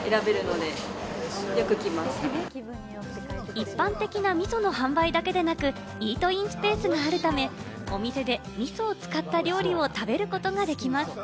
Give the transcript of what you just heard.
一般的な、みその販売だけでなく、イートインスペースがあるため、お店でみそを使った料理を食べることができます。